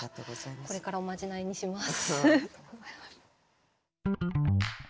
これからおまじないにします。